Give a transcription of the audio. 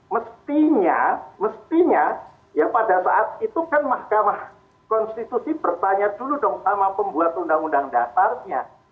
mestinya mestinya ya pada saat itu kan mahkamah konstitusi bertanya dulu dong sama pembuat undang undang dasarnya